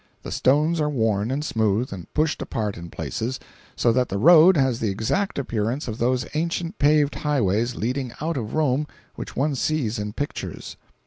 The stones are worn and smooth, and pushed apart in places, so that the road has the exact appearance of those ancient paved highways leading out of Rome which one sees in pictures.